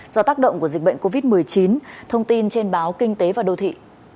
do tác động của dịch bệnh covid một mươi chín thông tin trên báo kinh tế và đô thị